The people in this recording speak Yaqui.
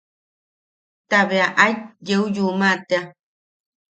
Ta bea at yeuwa tea.